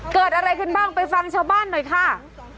เกิดอะไรขึ้นบ้างไปฟังชาวบ้านหน่อยค่ะ